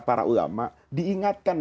para ulama diingatkan